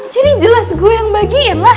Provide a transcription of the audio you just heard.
jadi jelas gue yang bagiin lah